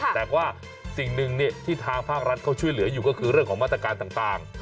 แต่ว่าสิ่งหนึ่งที่ทางภาครัฐเขาช่วยเหลืออยู่ก็คือเรื่องของมาตรการต่าง